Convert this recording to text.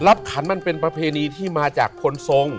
ขันมันเป็นประเพณีที่มาจากคนทรง